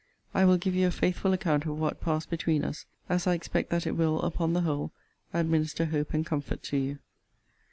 I will give you a faithful account of what passed between us; as I expect that it will, upon the whole, administer hope and comfort to you.